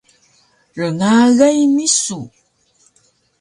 Rngagay misu